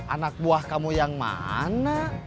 anak buah kamu yang mana